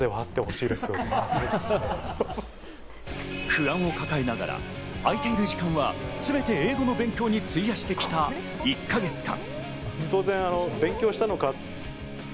不安を抱えながら空いている時間はすべて英語の勉強に費やしてきた１か月間。